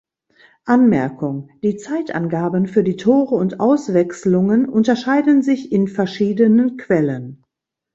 Anmerkung: Die Zeitangaben für die Tore und Auswechslungen unterscheiden sich in verschiedenen Quellen.